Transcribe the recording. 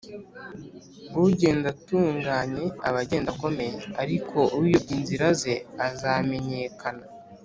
ugenda atunganye aba agenda akomeye, ariko uyobya inzira ze azamenyekana